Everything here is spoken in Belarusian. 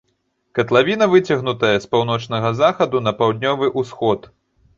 Катлавіна выцягнутая з паўночнага захаду на паўднёвы ўсход.